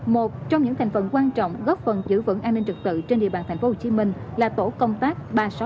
một trong những thành phần quan trọng góp phần giữ vững an ninh trực tự trên địa bàn tp hcm là tổ công tác ba trăm sáu mươi chín